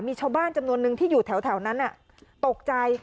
มีชาวบ้านจำนวนนึงที่อยู่แถวนั้นตกใจ